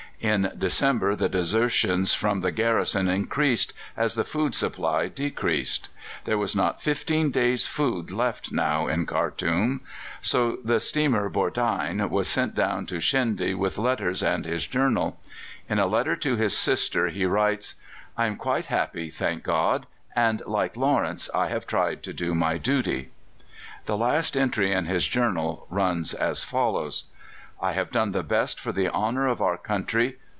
In December the desertions from the garrison increased, as the food supply decreased. There was not fifteen days' food left now in Khartoum. So the steamer Bordein was sent down to Shendy with letters and his journal. In a letter to his sister he writes: "I am quite happy, thank God! and, like Lawrence, I have tried to do my duty." The last entry in his journal runs as follows: "I have done the best for the honour of our country.